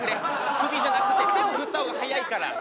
首じゃなくて手を振った方が早いから。